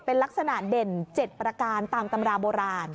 เป็นลักษณะเด่น๗ประการตามตำราโบราณ